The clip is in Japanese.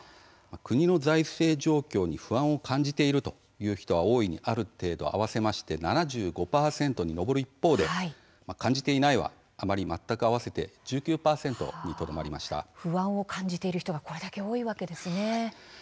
国の財政状況に不安を「感じている」という人は「大いに」、「ある程度」合わせて７５％に上る一方で「感じていない」は「あまり」、「全く」合わせて不安を感じている人がこれだけ多いわけですね。